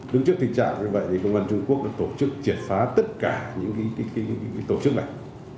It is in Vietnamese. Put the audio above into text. đứng trước tình trạng như vậy thì công an trung quốc đã tổ chức triệt phá tất cả những tổ chức này